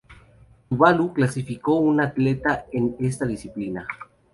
Tuvalu clasificó a un atleta en esta disciplina.